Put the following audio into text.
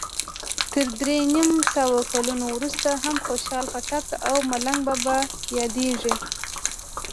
تر درې نیم سوو کلونو وروسته هم خوشال خټک او ملنګ بابا یادیږي.